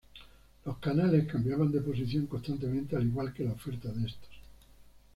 Los canales cambiaban de posición constantemente al igual que la oferta de estos.